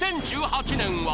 ２０１８年は？